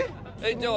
じゃあ。